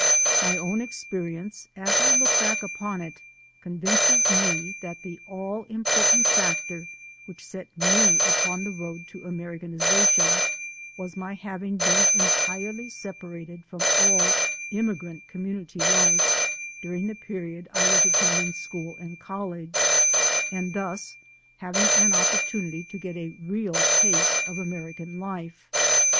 My own experience, as I look back upon it, convinces me that the all important factor which set me upon the road to Americanization was my having been entirely sepa rated from all immigrant community life during the period I was attending school and college, and thus having an opportunity to get a real taste of Ameri can life.